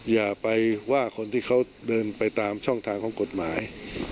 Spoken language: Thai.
อย่าไปว่าคนที่เขาเดินไปตามช่องทางของกฎหมาย